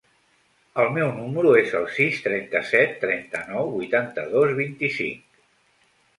El meu número es el sis, trenta-set, trenta-nou, vuitanta-dos, vint-i-cinc.